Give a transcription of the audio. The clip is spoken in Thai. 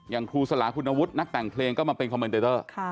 อย่างครูสลาคุณวุฒินักแต่งเครงก็มาเป็นคอมเมนเตียเตอร์